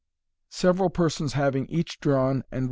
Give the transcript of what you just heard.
7$ Several Persons hating each Drawn anj?